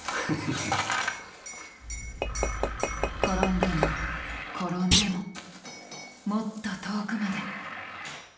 転んでも転んでももっと遠くまで。